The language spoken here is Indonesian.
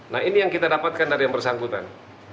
nah ini yang kita dapatkan dari yang bersangkutan